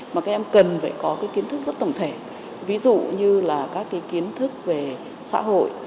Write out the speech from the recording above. mà các em cần phải có cái kiến thức rất tổng thể ví dụ như là các cái kiến thức về xã hội